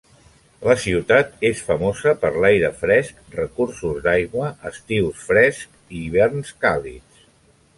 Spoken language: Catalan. La ciutat és famosa per l'aire fresc, recursos d'aigua, estius frescs i hiverns càlids.